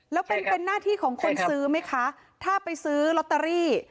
แล้วเป็นเป็นหน้าที่ของคนซื้อไหมคะถ้าไปซื้อลอตเตอรี่